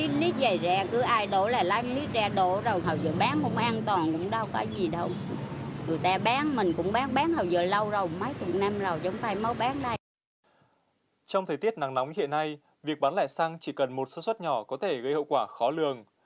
trong thời tiết nắng nóng hiện nay việc bán lẻ xăng chỉ cần một sơ suất nhỏ có thể gây hậu quả khó lường